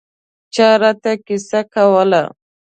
چا راته کیسه کوله.